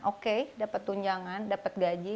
oke dapet tunjangan dapet gaji